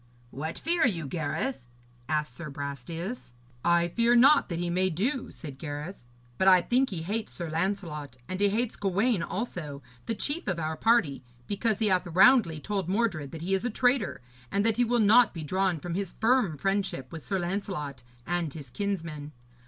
'What fear you, Gareth?' asked Sir Brastias. 'I fear naught that he may do,' said Gareth, 'but I think he hates Sir Lancelot and he hates Gawaine also, the chief of our party, because he hath roundly told Mordred that he is a traitor, and that he will not be drawn from his firm friendship with Sir Lancelot and his kinsmen.